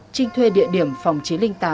trinh thuê địa điểm phòng chín trăm linh tám c một